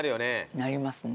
なりますね。